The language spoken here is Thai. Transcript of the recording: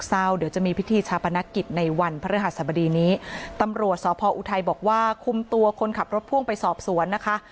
สมดีนี้ตำรวจสพออุทัยบอกว่าคุมตัวคนขับรถพ่วงไปสอบสวนนะคะ